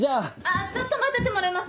・ちょっと待っててもらえます？